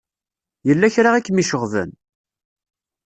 Yella kra i kem-iceɣben?